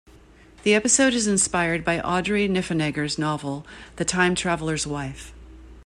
The episode is inspired by Audrey Niffenegger's novel "The Time-Traveler's Wife".